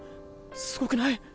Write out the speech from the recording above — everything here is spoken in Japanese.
すごくない？